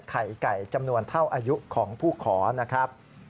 ไข่ไก่จำนวนเท่าอายุของผู้ขอนะครับ